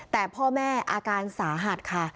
แต่พ่อแม่อาการสาหัสค่ะ